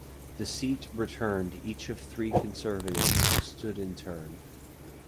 The seat returned each of three Conservatives who stood in turn.